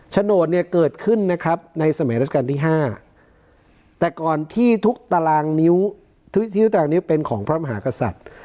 ชโนธเกิดขึ้นในสมัยราชกาลที่๕แต่ก่อนที่ทุกตารางนิ้วเป็นของพระมหากษัตริย์